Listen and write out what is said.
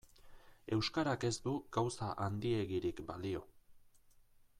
Euskarak ez du gauza handiegirik balio.